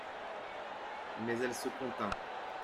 Mais elle se contint.